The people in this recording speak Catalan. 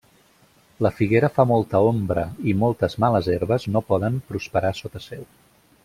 La figuera fa molta ombra i moltes males herbes no poden prosperar sota seu.